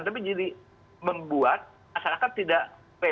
tapi jadi membuat masyarakat tidak fair